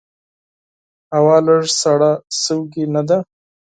هوا لږ سړه سوي نده؟